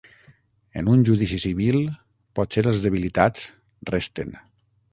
En un judici civil, potser els debilitats, resten.